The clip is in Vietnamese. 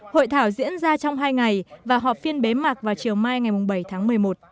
hội thảo diễn ra trong hai ngày và họp phiên bế mạc vào chiều mai ngày bảy tháng một mươi một